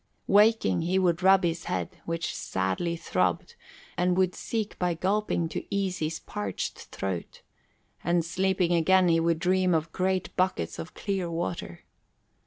Waking, he would rub his head, which sadly throbbed and would seek by gulping to ease his parched throat; and sleeping again, he would dream of great buckets of clear water.